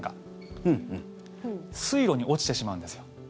水路に落ちてしまうんですよ。